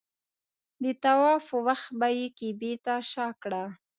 د طواف په وخت به یې کعبې ته شا کړه.